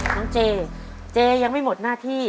เจเจยังไม่หมดหน้าที่